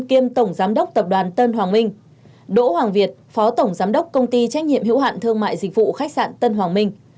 kiêm tổng giám đốc tập đoàn tân hoàng minh đỗ hoàng việt phó tổng giám đốc công ty trách nhiệm hữu hạn thương mại dịch vụ khách sạn tân hoàng minh